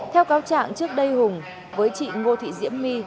theo cáo trạng trước đây hùng với chị ngô thị diễm my